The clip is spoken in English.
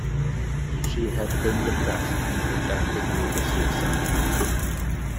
She had been depressed and her death was ruled a suicide.